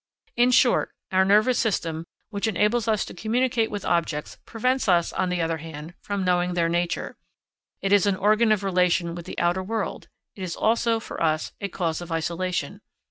In short, our nervous system, which enables us to communicate with objects, prevents us, on the other hand, from knowing their nature. It is an organ of relation with the outer world; it is also, for us, a cause of isolation.